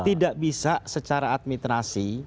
tidak bisa secara administrasi